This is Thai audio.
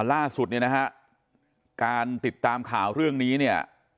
ล่าสุดเนี่ยนะฮะการติดตามข่าวเรื่องนี้เนี่ย